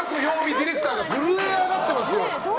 ディレクターが震え上がってますよ。